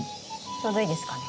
ちょうどいいですかね。